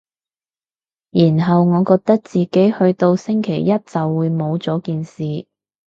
然後我覺得自己去到星期一就會冇咗件事